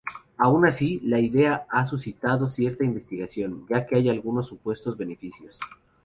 Aun así, la idea ha suscitado cierta investigación, ya que hay algunos supuestos beneficios.